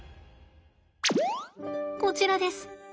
こちらです。